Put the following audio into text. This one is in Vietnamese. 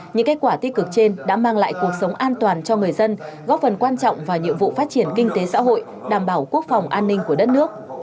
những kết quả tích cực trên đã mang lại cuộc sống an toàn cho người dân góp phần quan trọng vào nhiệm vụ phát triển kinh tế xã hội đảm bảo quốc phòng an ninh của đất nước